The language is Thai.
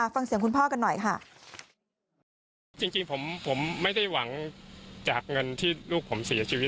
ฟังเสียงคุณพ่อกันหน่อยค่ะ